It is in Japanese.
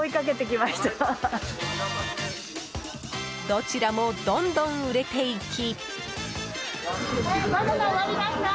どちらもどんどん売れていき。